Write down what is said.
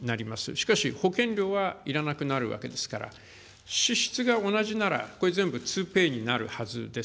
しかし、保険料はいらなくなるわけですから、支出が同じならば、これ全部、ツーペイになるはずです。